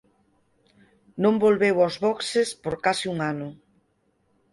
Non volveu aos boxes por case un ano.